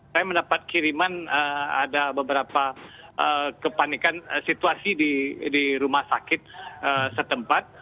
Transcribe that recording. saya mendapat kiriman ada beberapa kepanikan situasi di rumah sakit setempat